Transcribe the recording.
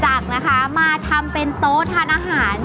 เพราะว่าผักหวานจะสามารถทำออกมาเป็นเมนูอะไรได้บ้าง